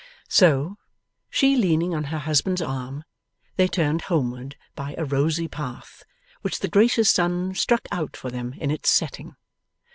So, she leaning on her husband's arm, they turned homeward by a rosy path which the gracious sun struck out for them in its setting.